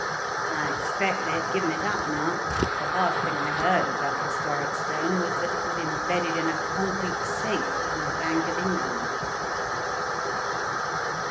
I expect they have given it up now, for last thing I heard of that historic stone was that it was embedded in a concrete safe in the Bank of England."